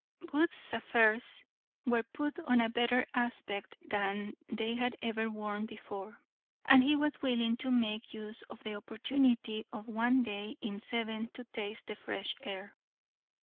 _ Booth's affairs were put on a better aspect than they had ever worn before, and he was willing to make use of the opportunity of one day in seven to taste the fresh air.